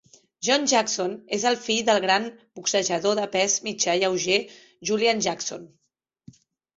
John Jackson és el fill del gran boxejador de pes mitjà lleuger Julian Jackson.